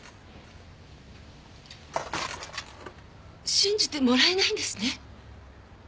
信じてもらえないんですね。